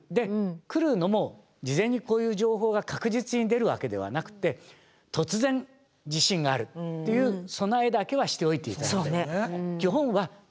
来るのも事前にこういう情報が確実に出るわけではなくて突然地震があるっていう備えだけはしておいて頂きたい。